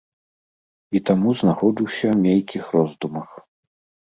І таму знаходжуся ў нейкіх роздумах.